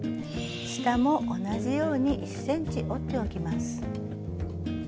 下も同じように１ｃｍ折っておきます。